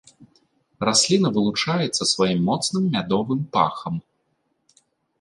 Расліна вылучаецца сваім моцным мядовым пахам.